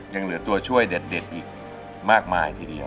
ยังเหลือตัวช่วยเด็ดอีกมากมายทีเดียว